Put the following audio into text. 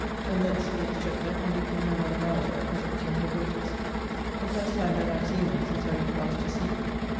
From thence to the Exchequer and did give my mother Bowyer a visit and her daughters, the first time that I have seen them since I went last to sea.